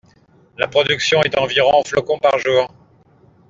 La production est d'environ flocons par jour.